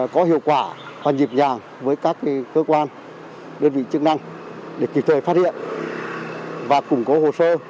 có hiệu quả và nhịp nhàng với các cơ quan đơn vị chức năng để kịp thời phát hiện và củng cố hồ sơ